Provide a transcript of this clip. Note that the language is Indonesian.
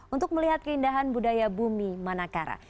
untuk melihat keindahan budaya bumi manakara